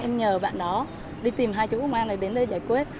em nhờ bạn đó đi tìm hai chú công an để đến đây giải quyết